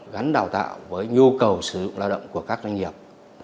gắn đào tạo với nhu cầu sử dụng lao động của các doanh nghiệp